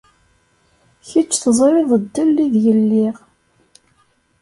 Kečč teẓriḍ ddel ideg lliɣ.